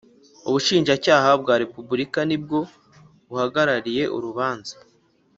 Ubushinjacyaha bwa Repubulika nibwo buhagarariye urubanza